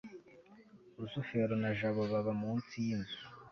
rusufero na jabo baba munsi yinzu